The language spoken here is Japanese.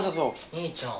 兄ちゃん。